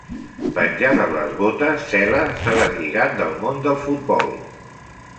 Penjades les botes, Cela s'ha deslligat del món del futbol.